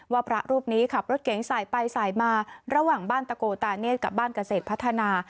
พระรูปนี้ขับรถเก๋งสายไปสายมาระหว่างบ้านตะโกตาเนธกับบ้านเกษตรพัฒนา